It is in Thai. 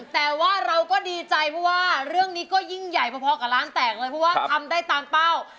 แต่ว่าเราก็ดีใจเพราะว่าเรื่องนี้ก็ยิ่งใหญ่พอกับร้านแตกเลยเพราะว่าทำได้ตามเป้า